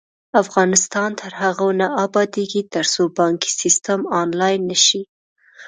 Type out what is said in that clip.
افغانستان تر هغو نه ابادیږي، ترڅو بانکي سیستم آنلاین نشي.